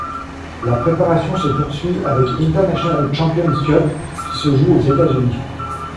La préparation se poursuit avec International Champions Cup qui se joue aux États-Unis.